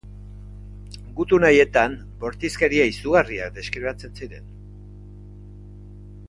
Gutun haietan bortizkeria izugarriak deskribatzen ziren.